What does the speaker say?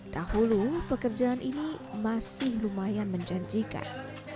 dahulu pekerjaan ini masih lumayan menjanjikan